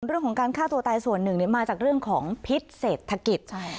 เรื่องของการฆ่าตัวตายส่วนหนึ่งมาจากเรื่องของพิษเศรษฐกิจ